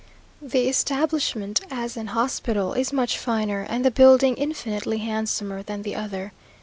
The establishment, as an hospital, is much finer, and the building infinitely handsomer than the other.